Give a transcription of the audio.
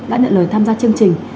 đã nhận lời tham gia chương trình